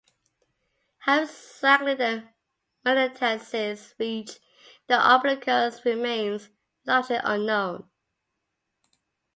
How exactly the metastases reach the umbilicus remains largely unknown.